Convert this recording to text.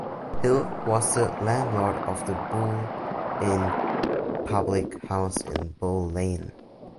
Hill was the landlord of the Bull Inn public house in Bull Lane.